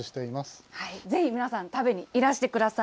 ぜひ皆さん、食べにいらしてください。